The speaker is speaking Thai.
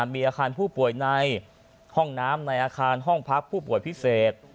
มีอาคารผู้ป่วยในห้องน้ำในอาคารห้องพักผู้ป่วยพิเศษ